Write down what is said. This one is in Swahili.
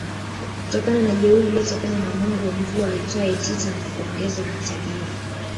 kutokana na jeuri iliyotokana na Mungu wa mvua aitwaye Tita na kuongozwa na utabiri